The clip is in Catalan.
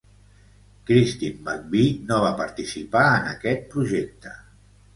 Christine McVie no va participar en aquest projecte.